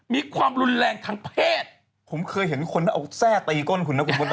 มีความรุนแรงทางเพศผมเคยเห็นคนเอาแทร่ตีก้นคุณนะคุณผู้ชม